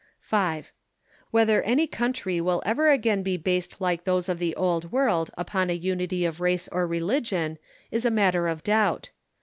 V Whether any country will ever again be based like those of the Old World upon a unity of race or religion is a matter of doubt.